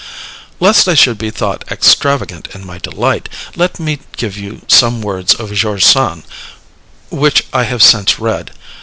Lest I should be thought extravagant in my delight, let me give you some words of George Sand, which I have since read.